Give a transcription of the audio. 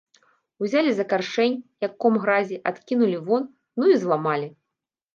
Узялі за каршэнь, як ком гразі, адкінулі вон, ну, і зламалі.